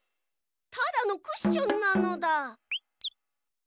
ただのクッションなのだ。